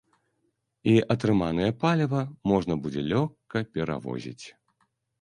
І атрыманае паліва можна будзе лёгка перавозіць.